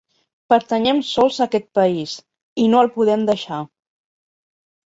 Pertanyem sols a aquest país, i no el podem deixar.